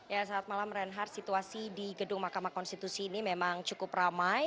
ya saat malam reinhard situasi di gedung mahkamah konstitusi ini memang cukup ramai